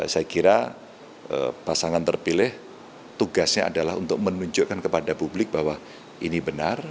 saya kira pasangan terpilih tugasnya adalah untuk menunjukkan kepada publik bahwa ini benar